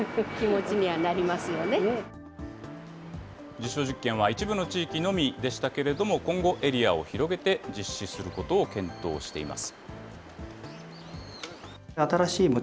実証実験は一部の地域のみでしたけれども、今後、エリアを広げて実施することを検討しています。